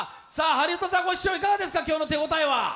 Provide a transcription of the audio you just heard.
ハリウッドザコシショウいかがですか、今日の手応えは。